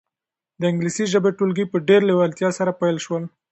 د انګلیسي ژبې ټولګي په ډېرې لېوالتیا سره پیل شول.